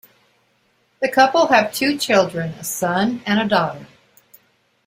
The couple have two children: a son and a daughter.